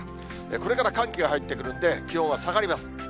これから寒気が入ってくるんで、気温は下がります。